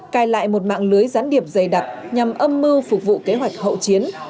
cài lại một mạng lưới gián điệp dày đặc nhằm âm mưu phục vụ kế hoạch hậu chiến